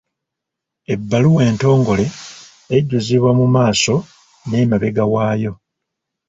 Ebbaluwa entongole ejjuzibwa mu maaso n’emabega waayo.